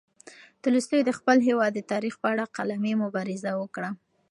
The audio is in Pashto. تولستوی د خپل هېواد د تاریخ په اړه قلمي مبارزه وکړه.